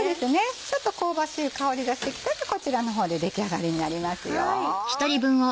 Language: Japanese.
ちょっと香ばしい香りがしてきたらこちらの方で出来上がりになります。